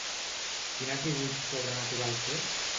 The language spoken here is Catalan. Quin atribut sobrenatural té?